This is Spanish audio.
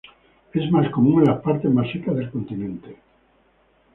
Es más común en las partes más secas del continente.